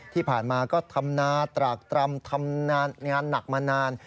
ที่ผ่านมาก็ทำนาตรากตรำทำงานหนักมานาน